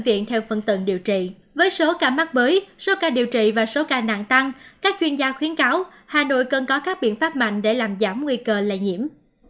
với số ca mắc bới số ca điều trị và số ca nạn tăng các chuyên gia khuyến cáo hà nội cần có các biện pháp mạnh để làm giảm nguy cơ lây nhiễm